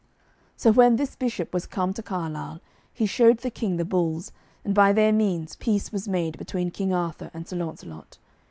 So when this bishop was come to Carlisle he showed the King the bulls, and by their means peace was made between King Arthur and Sir Launcelot.